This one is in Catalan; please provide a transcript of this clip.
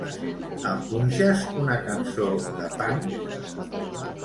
Em punxes una cançó de punk?